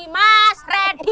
mas randy denger nggak